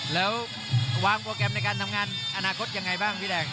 แล้ววางโปรแกรมในการทำงานอนาคตยังไงบ้างพี่แดง